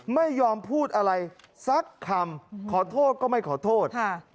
ไม่ยอมพูดอะไรสักคำขอโทษก็ไม่ขอโทษ